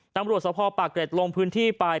ตังบริวสภปากเกร็จลงพื้นที่ไป